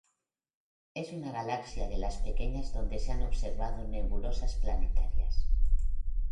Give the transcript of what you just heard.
Es una de las galaxias pequeñas donde se han observado nebulosas planetarias.